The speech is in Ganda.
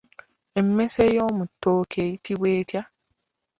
Emmese ey'omu ttooke eyitibwa etya?